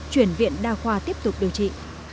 chuyển viện đa khoa tiếp tục điều trị